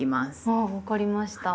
あ分かりました。